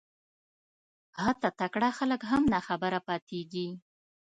حتی تکړه خلک هم ناخبره پاتېږي